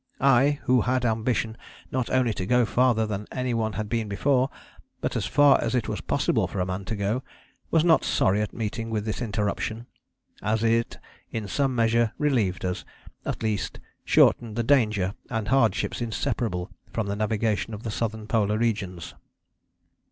I, who had ambition not only to go farther than any one had been before, but as far as it was possible for man to go, was not sorry at meeting with this interruption; as it, in some measure, relieved us; at least, shortened the dangers and hardships inseparable from the navigation of the Southern Polar regions."